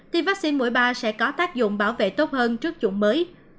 thì vaccine mỗi ba sẽ có tác dụng bảo vệ tốt hơn trước dụng mới